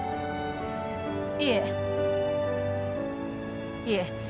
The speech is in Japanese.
いえいえ